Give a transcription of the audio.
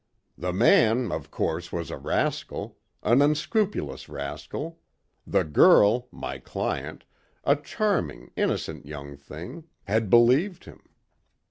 "The man of course was a rascal. An unscrupulous rascal. The girl my client a charming, innocent young thing had believed him.